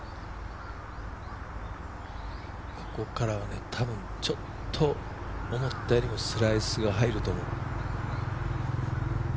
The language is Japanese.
ここからはね、多分ちょっと思ったよりスライスが入ると思う。